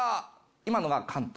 今のが関東。